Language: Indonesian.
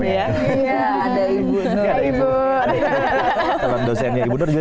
ya ada ibu juga